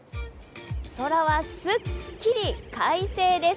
空はすっきり快晴です。